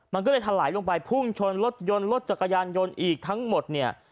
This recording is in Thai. มันก็เลยถลายลงไปพุ่งชนรถยนต์รถจักรยานยนต์อีกทั้งหมดเนี่ย